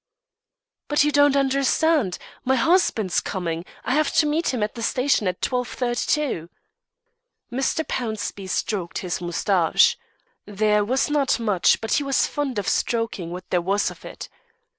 "But you don't understand; my husband's coming; I have to meet him at the station at 12.32." Mr. Pownceby stroked his moustache; there was not much, but he was fond of stroking what there was of it.